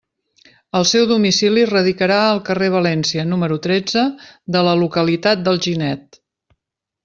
El seu domicili radicarà al carrer València, número tretze, de la localitat d'Alginet.